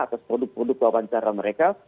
atas produk produk wawancara mereka